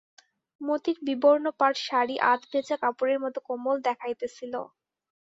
মতির বিবর্ণপাড় শাড়ি আধভেজা কাপড়ের মতো কোমল দেখাইতেছিল।